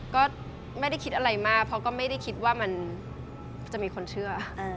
ก็ไม่ได้คิดอะไรมากเพราะก็ไม่ได้คิดว่ามันจะมีคนเชื่อ